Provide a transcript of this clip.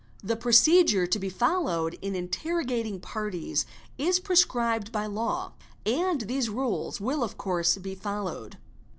FR A I RNR Apa iL LNT _ The procedure to be followed in interrogating parties is prescribed by law, and these rules will of course be followed.